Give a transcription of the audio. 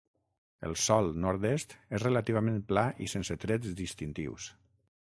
El sòl nord-est és relativament pla i sense trets distintius.